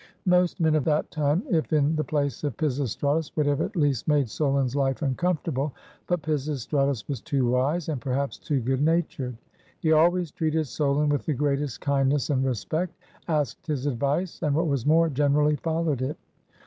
Most men of that time, if in the place of Pisistratus, would have at least made Solon's hfe uncomfortable; but Pisistratus was too wise, and perhaps too good natured. He always treated Solon with the greatest kindness and respect, asked his advice, and what was more, generally followed it.